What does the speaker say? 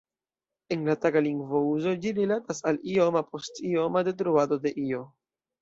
En la taga lingvouzo ĝi rilatas al ioma post ioma detruado de io.